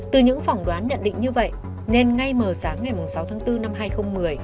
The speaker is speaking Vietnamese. từ những phỏng đoán nhận định như vậy nên ngay mờ sáng ngày sáu tháng bốn năm hai nghìn một mươi